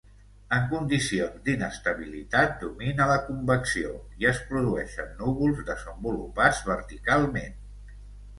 En condicions d'inestabilitat domina la convecció, i es produeixen núvols desenvolupats verticalment.